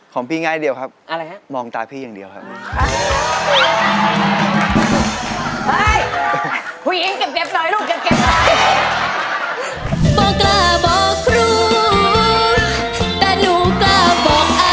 ของพี่ง่ายอย่างเดียวครับ